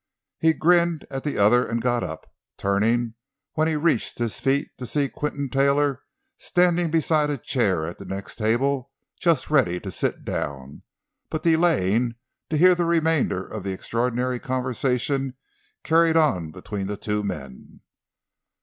He grinned at the other and got up, turning, when he reached his feet, to see Quinton Taylor, standing beside a chair at the next table, just ready to sit down, but delaying to hear the remainder of the extraordinary conversation carried on between the two men.